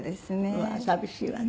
うわー寂しいわね。